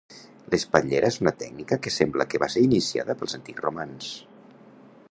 L'espatllera és una tècnica que sembla que va ser iniciada pels antics romans.